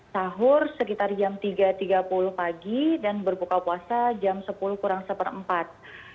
sahur sekitar jam tiga tiga puluh pagi dan berbuka puasa jam sepuluh kurang seperempat